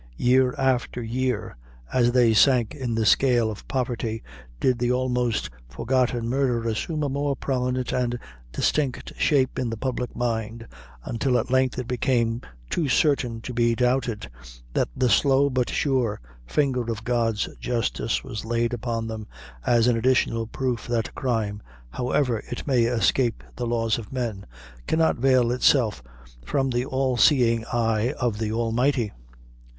Year after year, as they sank in the scale of poverty, did the almost forgotten murder assume a more prominent and distinct shape in the public mind, until at length it became too certain to be doubted, that the slow but sure finger of God's justice was laid upon them as an additional proof that crime, however it may escape the laws of men, cannot veil itself from the all seeing eye of the Almighty.